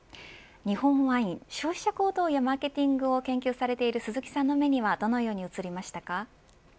日本ワイン、消費者行動やマーケティングを研究されている鈴木さんの目にはどのように映りましたか。